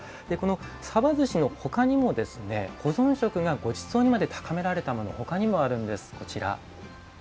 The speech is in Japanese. さばずしのほかにも保存食がごちそうにまで高められたものほかにもあるんです。